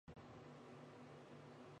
此页面列出南奥塞梯驻外机构。